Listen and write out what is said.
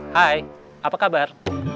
hai apa kabar